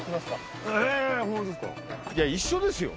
いや一緒ですよ。